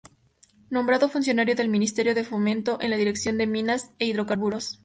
Nombrado funcionario del Ministerio de Fomento en la Dirección de Minas e Hidrocarburos.